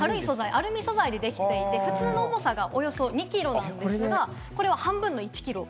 アルミ素材でできていて普通の重さが２キロなんですが、これは半分の１キロ。